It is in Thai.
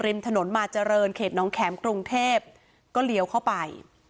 ริมถนนมาเจริญเขตน้องแข็มกรุงเทพก็เลี้ยวเข้าไป